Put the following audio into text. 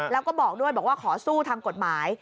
แล้วก็บอกด้วยบอกว่าขอสู้ทางกฎหมาย